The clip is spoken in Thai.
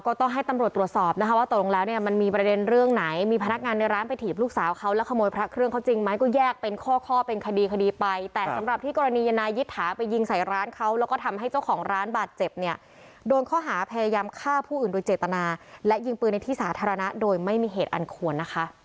ต้องให้ตำรวจตรวจสอบนะคะว่าตกลงแล้วเนี่ยมันมีประเด็นเรื่องไหนมีพนักงานในร้านไปถีบลูกสาวเขาแล้วขโมยพระเครื่องเขาจริงไหมก็แยกเป็นข้อข้อเป็นคดีคดีไปแต่สำหรับที่กรณียนายยิตถาไปยิงใส่ร้านเขาแล้วก็ทำให้เจ้าของร้านบาดเจ็บเนี่ยโดนข้อหาพยายามฆ่าผู้อื่นโดยเจตนาและยิงปืนในที่สาธารณะโดยไม่มีเหตุอันควรนะคะ